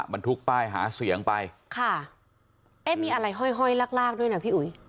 บรรทุกป้ายหาเสียงไปค่ะเอ๊ะมีอะไรห้อยห้อยลากลากด้วยนะพี่อุ๋ย